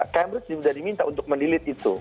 cambridge sudah diminta untuk mendelete itu